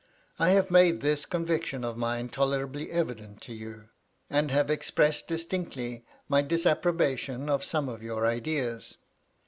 I have made itiis conviction of mine tolerably evident to you; and have expressed distinctly my disapprobation of some of your ideas.